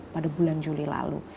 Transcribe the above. pada bulan juli lalu